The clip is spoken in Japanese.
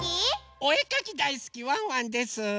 おえかきだいすきワンワンです！